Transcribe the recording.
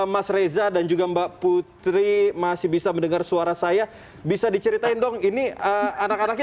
mas reza dan juga mbak putri masih bisa mendengar suara saya bisa diceritain dong ini anak anaknya